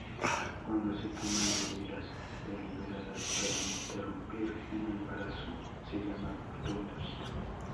Cuando se toman medidas deliberadas para interrumpir un embarazo, se llama aborto inducido.